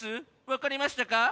わかりましたか？